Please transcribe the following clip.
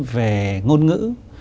về ngôn ngữ